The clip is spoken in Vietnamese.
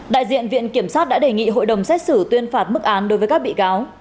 đại diện viện kiểm sát đã đề nghị hội đồng xét xử tuyên phạt mức án đối với các bị cáo